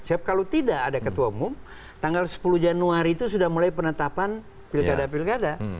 siap kalau tidak ada ketua umum tanggal sepuluh januari itu sudah mulai penetapan pilkada pilkada